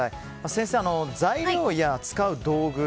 先生、材料や使う道具